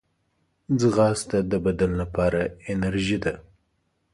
ځغاسته د بدن لپاره انرژي ده